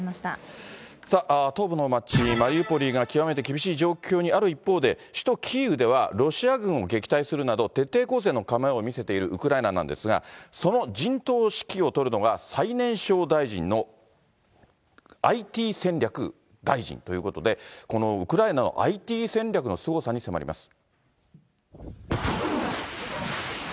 さあ、東部の街、マリウポリが極めて厳しい状況にある一方で、首都キーウでは、ロシア軍を撃退するなど、徹底抗戦の構えを見せているウクライナなんですが、その陣頭指揮を執るのが、最年少大臣のＩＴ戦略大臣ということで、このウクライナのＩＴ戦略のすごさに迫ります。